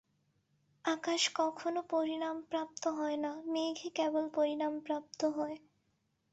আকাশ কখনও পরিণামপ্রাপ্ত হয় না, মেঘই কেবল পরিণামপ্রাপ্ত হয়।